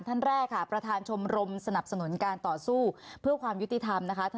ท่านแรกค่ะประธานชมรมสนับสนุนการต่อสู้เพื่อความยุติธรรมนะคะ